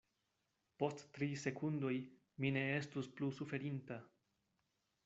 Post tri sekundoj mi ne estus plu suferinta.